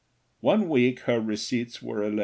One week her receipts were $11.